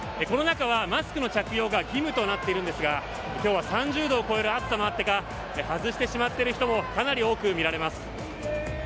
この中はマスクの着用が義務となっているんですが今日は３０度を超える暑さもあってか外してしまっている人もかなり多く見られます。